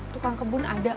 tukang kebun ada